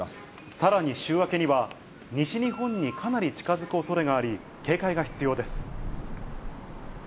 さらに週明けには、西日本にかなり近づくおそれがあり、警戒が必要です。